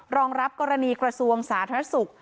รองรับกรณีกระทรวงสาธารณสุข